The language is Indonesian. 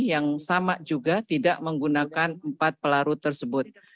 yang sama juga tidak menggunakan empat pelarut tersebut